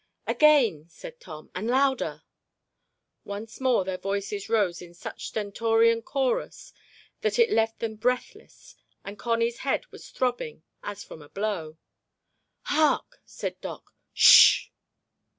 "Again," said Tom, "and louder." Once more their voices rose in such stentorian chorus that it left them breathless and Connie's head was throbbing as from a blow. "Hark!" said Doc. "Shhh."